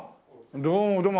どうもどうも。